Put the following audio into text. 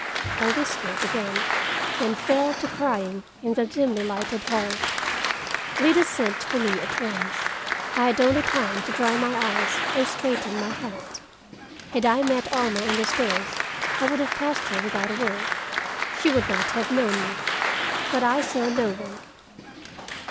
I whispered again, and fell to crying in the dimly lighted hall. Lida sent for me at once. I had only time to dry my eyes and straighten my hat. Had I met Alma on the stairs, I would have passed her without a word. She would not have known me. But I saw no one.